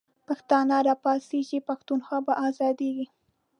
پښتانه به را پاڅیږی، پښتونخوا به آزادیږی